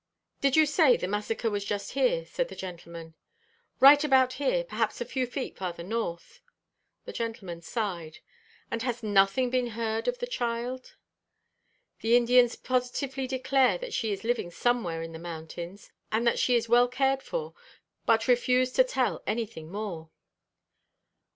"Did you say the massacre was just here?" said the gentleman. "Right about here—perhaps a few feet farther north." The gentleman sighed. "And has nothing been heard of the child?" "The Indians positively declare that she is living somewhere in the mountains, and that she is well cared for, but refuse to tell anything more."